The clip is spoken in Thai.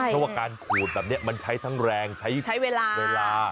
เพราะการกูดซ์แบบนี้มันใช้ทั้งแรงใช้เวลา